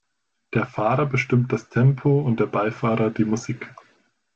Der Fahrer bestimmt das Tempo und der Beifahrer die Musik.